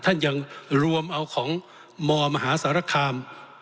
ท่านยังรวมเอาของมมหาสารคาม